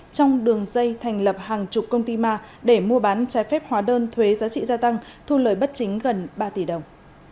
trong đường dây thành lập hàng chục công ty ma để mua bán trái phép hóa đơn thuế giá trị gia tăng thu lời bất chính gần ba tỷ đồng